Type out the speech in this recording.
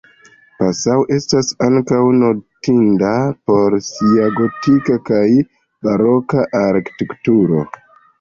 Passau estas ankaŭ notinda por sia gotika kaj baroka arkitekturo.